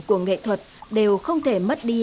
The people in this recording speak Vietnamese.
của nghệ thuật đều không thể mất đi